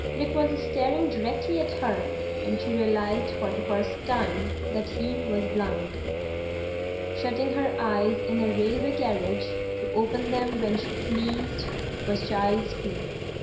Dick was staring directly at her, and she realised for the first time that he was blind. Shutting her eyes in a railway carriage to open them when she pleased was child's play.